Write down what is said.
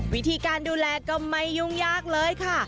วิธีการดูแลก็ไม่ยุ่งยากเลยค่ะ